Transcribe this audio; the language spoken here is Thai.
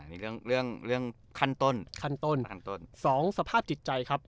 นี่เรื่องเรื่องเรื่องขั้นต้นขั้นต้นขั้นต้นสองสภาพจิตใจครับ